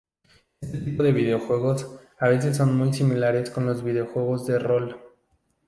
Este tipo de videojuegos a veces son muy similares con los videojuegos de rol.